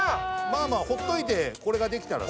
まあまあほっといてこれができたら。